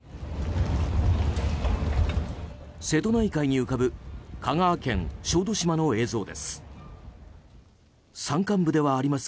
瀬戸内海に浮かぶ香川県小豆島の映像です。